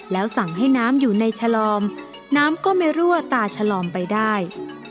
แล้วสั่งให้น้ำอยู่ในชะลอมน้ำก็ไม่รั่วตาชะลอมไปได้